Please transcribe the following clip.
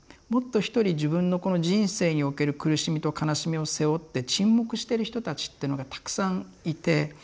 もっと一人自分のこの人生における苦しみと悲しみを背負って沈黙してる人たちっていうのがたくさんいて。